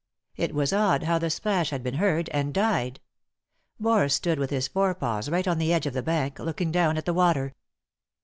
It was odd how the splash had been heard, and died. Boris stood with his forepaws right on the edge of the bank, looking down at the water.